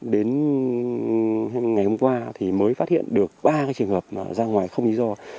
đến ngày hôm qua thì mới phát hiện được ba trường hợp ra ngoài không lý do